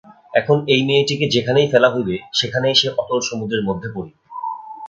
এখন এই মেয়েটিকে যেখানেই ফেলা হইবে সেখানেই সে অতল সমুদ্রের মধ্যে পড়িবে।